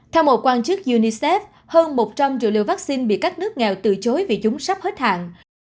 theo một quan chức unicef hơn một trăm linh triệu liều vaccine bị các nước nghèo từ chối vì chúng sắp hết hạn